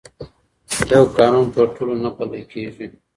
یو قانون پر ټولو نه پلي کېږي.